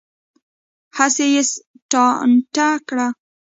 هسې یې ټانټه کړه.